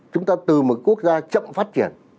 chúng ta từ một quốc gia chậm phát triển